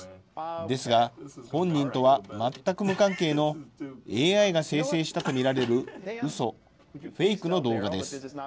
ですが、本人とは全く無関係のＡＩが生成したと見られるうそ、フェイクの動画です。